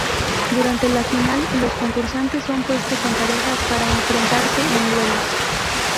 Durante la final, los concursantes son puestos en parejas para enfrentarse en duelos.